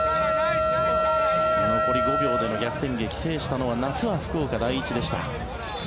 残り５秒での逆転劇制したのは夏は福岡第一でした。